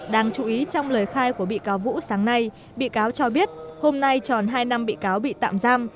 đáng chú ý trong lời khai của bị cáo vũ sáng nay bị cáo cho biết hôm nay tròn hai năm bị cáo bị tạm giam